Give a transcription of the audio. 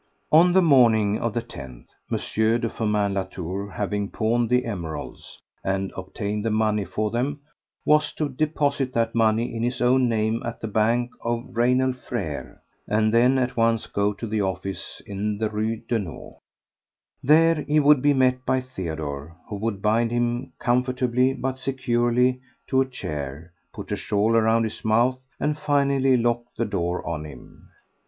On the morning of the tenth, M. de Firmin Latour having pawned the emeralds, and obtained the money for them, was to deposit that money in his own name at the bank of Raynal Frères and then at once go to the office in the Rue Daunou. There he would be met by Theodore, who would bind him comfortably but securely to a chair, put a shawl around his mouth and finally lock the door on him.